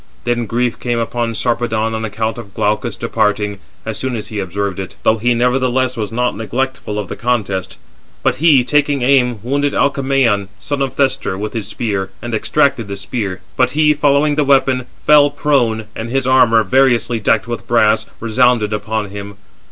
Then grief came upon Sarpedon on account of Glaucus departing, as soon as he observed it; though he nevertheless was not neglectful of the contest: but he taking aim, wounded Alcmaon, son of Thestor, with his spear, and extracted the spear; but he. following the weapon, fell prone, and his armour, variously decked with brass, resounded upon him.